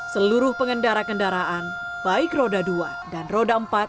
seluruh pengendara kendaraan baik roda dua dan roda empat